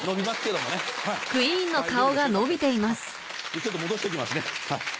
ちょっと戻しときますね。